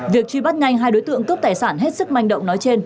việc truy bắt nhanh hai đối tượng cướp tài sản hết sức manh động nói trên